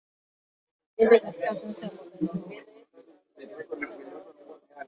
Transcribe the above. mbili katika sensa ya mwaka elfu mbili na kumi na tisa na wale wa